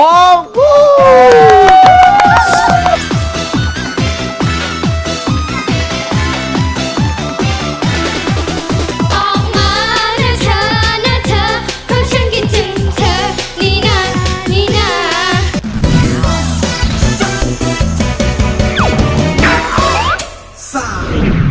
ออกมานะเธอนะเธอเพราะฉันคิดถึงเธอนี่นะนี่นะ